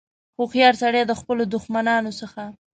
هوښیار سړي د خپلو دښمنانو څخه.